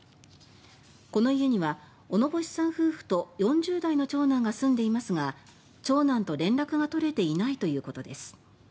この家には小野星さん夫婦と４０代の長男が住んでいますが長男と連絡が取れていないということです。